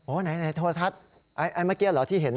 โอ้ไหนไหนโทรทัศน์ไอ้ไอ้เมื่อกี้เหรอที่เห็น